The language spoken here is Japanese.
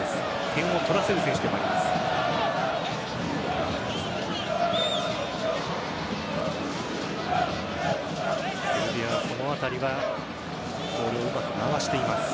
点を取らせる選手でもあります。